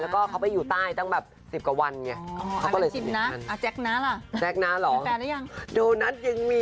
แล้วก็เขาไปอยู่ใต้ตั้งแบบ๑๐กว่าวันไง